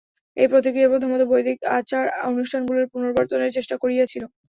এই প্রতিক্রিয়া প্রথমত বৈদিক আচার-অনুষ্ঠানগুলির পুনঃপ্রবর্তনের চেষ্টা করিয়াছিল।